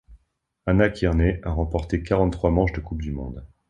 Hannah Kearney a remporté quarante-trois manches de Coupe du monde.